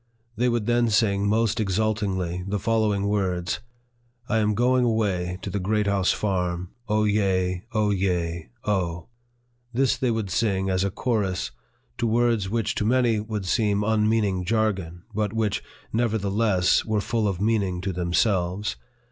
They would then sing most exultingly the following words :" 1 am going away to the Great House Farm ! O, yea ! O, yea ! O !" This they would sing, as a chorus, to words which to many would seem unmeaning jargon, but which, never theless, were full of meaning to themselves.